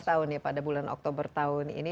tahun ya pada bulan oktober tahun ini